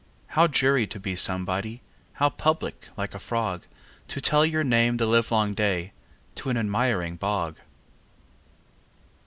How dreary to be somebody! How public, like a frog To tell your name the livelong day To an admiring bog!